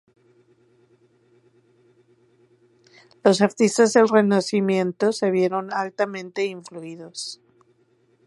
Los artistas del Renacimiento se vieron altamente influidos.